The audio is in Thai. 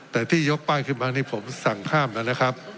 แต่ที่ยกป้ายขึ้นมานี่ผมสั่งข้ามแล้วนะครับ